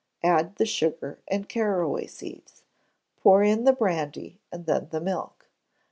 Add the sugar and caraway seeds. Pour in the brandy, and then the milk.